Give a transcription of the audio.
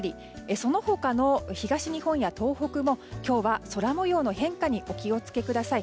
その他の東日本や東北も今日は空模様の変化にお気を付けください。